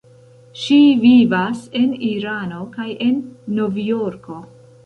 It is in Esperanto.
Ŝi vivas en Irano kaj en Novjorko.